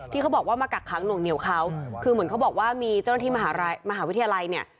เขาบอกว่ามากักค้างหน่วงเหนียวเขาคือเหมือนเขาบอกว่ามีเจ้าหน้าที่มหาวิทยาลัยเนี่ย